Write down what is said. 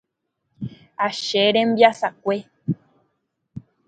Ache rembiasakue.